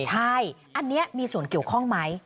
ใช่อันนี้มีส่วนเกี่ยวข้องไหม